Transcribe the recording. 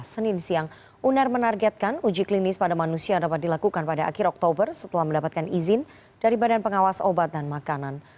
senin siang uner menargetkan uji klinis pada manusia dapat dilakukan pada akhir oktober setelah mendapatkan izin dari badan pengawas obat dan makanan